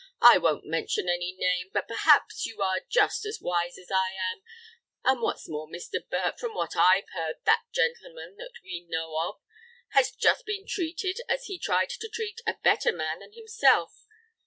I won't mention any name, but perhaps you are just as wise as I am. And what's more, Mr. Burt, from what I've heard, that gentleman that we know of has just been treated as he tried to treat a better man than himself.